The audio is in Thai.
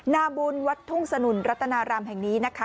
นาบุญวัดทุ่งสนุนรัตนารามแห่งนี้นะคะ